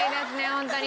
ホントに。